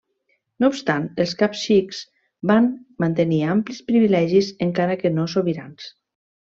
No obstant els caps sikhs van mantenir amplis privilegis encara que no sobirans.